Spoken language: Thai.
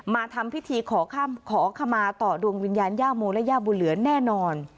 มาทำพิธีขอขมาต่อดวงวิญญาณย่าโมและย่าบุญเหลือแน่นอน